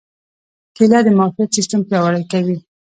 کېله د معافیت سیستم پیاوړی کوي.